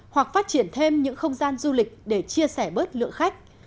hoặc phát triển thêm những không gian du lịch để chia sẻ bớt lượng khách